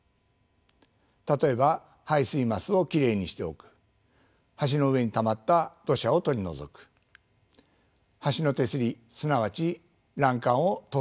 例えば排水桝をきれいにしておく橋の上にたまった土砂を取り除く橋の手すりすなわち欄干を塗装するなどです。